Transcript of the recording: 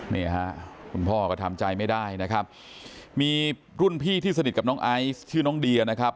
นี่ฮะคุณพ่อก็ทำใจไม่ได้นะครับมีรุ่นพี่ที่สนิทกับน้องไอซ์ชื่อน้องเดียนะครับ